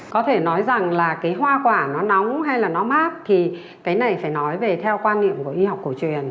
có thể nói rằng là cái hoa quả nó nóng hay là nó mát thì cái này phải nói về theo quan niệm của y học cổ truyền